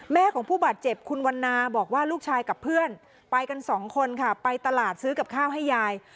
ของผู้บาดเจ็บคุณวันนาบอกว่าลูกชายกับเพื่อนไปกันสองคนค่ะไปตลาดซื้อกับข้าวให้ยาย